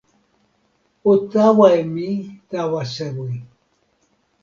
o tawa e mi tawa sewi.